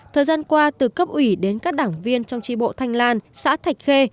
thời gian qua từ cấp ủy đến các đảng viên trong tri bộ thanh lan xã thạch khê